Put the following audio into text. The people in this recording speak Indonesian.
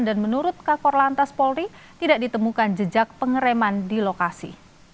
dan menurut kakor lantas polri tidak ditemukan jejak pengereman di lokasi